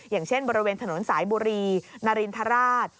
อย่างเช่นบริเวณถนนสายบุรีนารินทราช